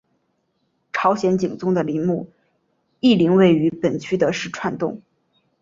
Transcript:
朝鲜景宗的陵墓懿陵位于本区的石串洞。